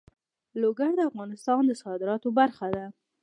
لوگر د افغانستان د صادراتو برخه ده.